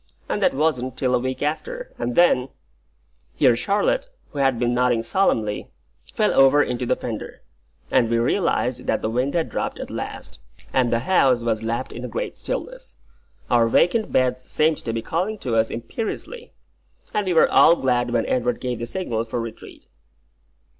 And that wasn't till a week after, and then " Here Charlotte, who had been nodding solemnly, fell over into the fender; and we realised that the wind had dropped at last, and the house was lapped in a great stillness. Our vacant beds seemed to be calling to us imperiously; and we were all glad when Edward gave the signal for retreat.